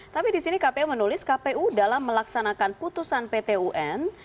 tapi di sini kpu menulis kpu dalam melaksanakan putusan pt un